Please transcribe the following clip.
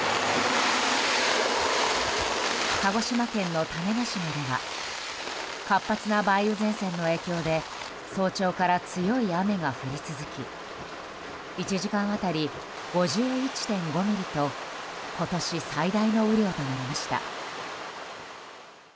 鹿児島県の種子島では活発な梅雨前線の影響で早朝から強い雨が降り続き１時間当たり５１．５ミリと今年最大の雨量となりました。